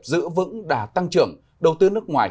giữ vững đã tăng trưởng đầu tư nước ngoài